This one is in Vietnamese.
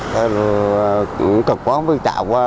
cũng cực quá không biết chạy qua